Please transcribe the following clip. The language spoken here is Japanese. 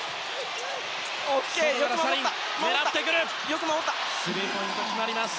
サリンのスリーポイント決まります。